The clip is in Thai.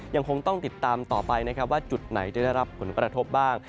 ยังคงต้องติดตามต่อไปนะครับว่าจุดไหนได้รับผลกระทบบ้าง